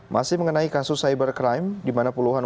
masih mengenai kasus cybercrime